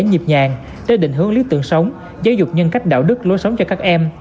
nhịp nhàng tới định hướng lý tưởng sống giáo dục nhân cách đạo đức lối sống cho các em